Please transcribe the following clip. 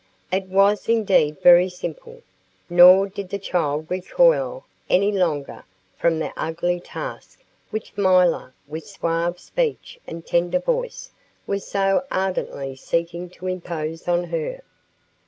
It was indeed very simple! Nor did the child recoil any longer from the ugly task which milor, with suave speech and tender voice, was so ardently seeking to impose on her.